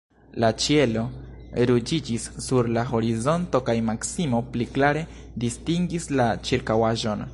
La ĉielo ruĝiĝis sur la horizonto, kaj Maksimo pli klare distingis la ĉirkaŭaĵon.